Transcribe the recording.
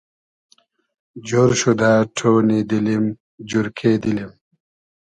جۉر شودۂ ݖۉنی دیلیم جورکې دیلیم